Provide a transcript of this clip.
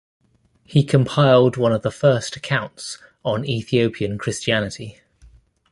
He compiled one of the first accounts on Ethiopian Christianity.